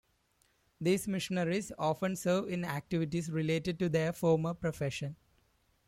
These missionaries often serve in activities related to their former profession.